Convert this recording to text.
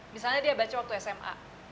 misalnya dia baca waktu sma